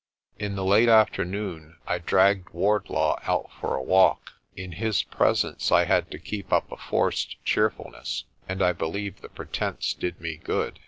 In the late afternoon I dragged Wardlaw out for a walk. In his presence I had to keep up a forced cheerfulness, and I believe the pretence did me good.